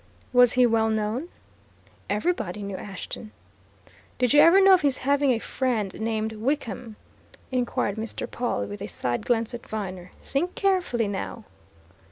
"Was he well known?" "Everybody knew Ashton." "Did you ever know of his having a friend named Wickham?" inquired Mr. Pawle with a side glance at Viner. "Think carefully, now!"